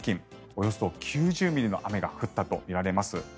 およそ９０ミリの雨が降ったとみられます。